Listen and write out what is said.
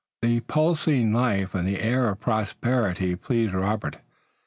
The pulsing life and the air of prosperity pleased Robert.